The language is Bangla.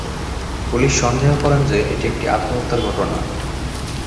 পুলিশ সন্দেহ করেন যে এটি একটি আত্মহত্যার ঘটনা।